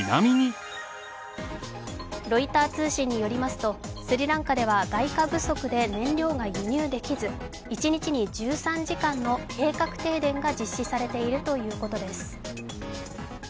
ロイター通信によりますと、スリランカでは外貨不足で燃料が輸入できず一日に１３時間の計画停電が実施されているということです。